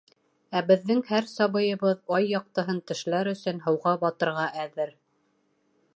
Ә беҙҙең һәр сабыйыбыҙ, ай яҡтыһын тешләр өсөн, һыуға батырға әҙер.